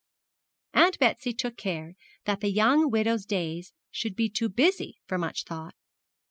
Aunt Betsy took care that the young widow's days should be too busy for much thought.